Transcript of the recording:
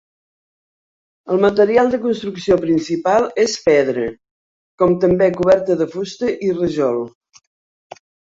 El material de construcció principal és pedra; com també coberta de fusta i rajol.